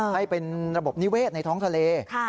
ให้เป็นระบบนิเวศในท้องทะเล